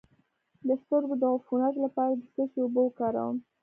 د سترګو د عفونت لپاره د څه شي اوبه وکاروم؟